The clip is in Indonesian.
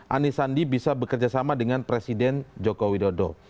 anies sandi bisa bekerja sama dengan presiden joko widodo